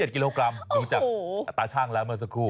๗กิโลกรัมดูจากอัตราช่างแล้วเมื่อสักครู่